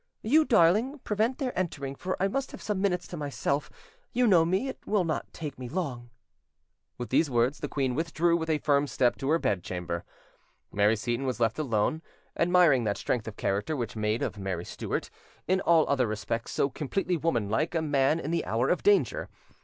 You, darling, prevent their entering, for I must have some minutes to myself: you know me; it will not take me long." With these words the queen withdrew with a firm step to her bedchamber. Mary Seyton was left alone, admiring that strength of character which made of Mary Stuart, in all other respects so completely woman like, a man in the hour of danger.